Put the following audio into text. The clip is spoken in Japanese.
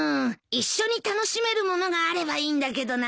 一緒に楽しめるものがあればいいんだけどな。